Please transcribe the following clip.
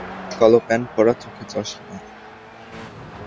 কালো প্যান্ট পরা, চোখে চশমা।